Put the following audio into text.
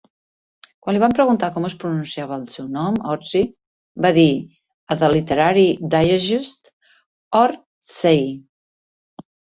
Quan li van preguntar com es pronunciava el seu nom, Orczy va dir a "The Literary Digest": "Or-tsey".